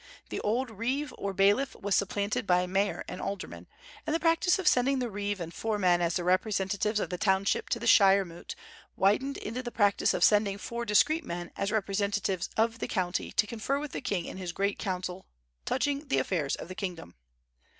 "The old reeve or bailiff was supplanted by mayor and aldermen, and the practice of sending the reeve and four men as the representatives of the township to the shire moot widened into the practice of sending four discreet men as representatives of the county to confer with the king in his great council touching the affairs of the kingdom."